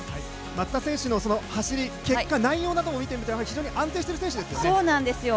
松田選手の走り、結果、内容を見ても非常に安定している選手ですよね。